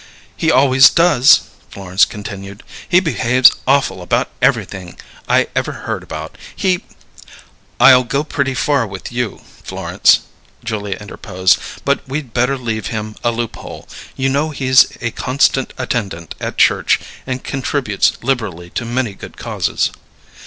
"He always does," Florence continued. "He behaves awful about everything I ever heard about. He " "I'll go pretty far with you, Florence," Julia interposed, "but we'd better leave him a loophole. You know he's a constant attendant at church and contributes liberally to many good causes."